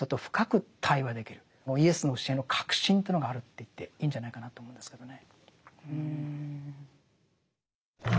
イエスの教えの核心というのがあると言っていいんじゃないかなと思うんですけどね。